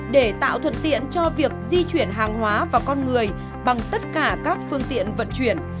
để tạo thuận tiện cho việc di chuyển hàng hóa vào con người bằng tất cả các phương tiện vận chuyển